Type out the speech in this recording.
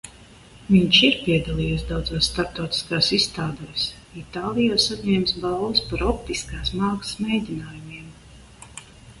Viņš ir piedalījies daudzās starptautiskās izstādēs, Itālijā saņēmis balvas par optiskās mākslas mēģinājumiem.